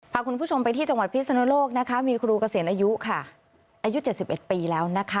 ขอบคุณผู้ชมไปที่จังหวัดพิษสนุโลกมีครูเกษียณอายุ๗๑ปีแล้ว